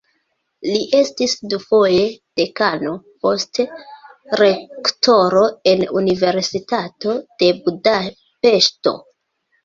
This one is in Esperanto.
Li estis dufoje dekano, poste rektoro en Universitato de Budapeŝto.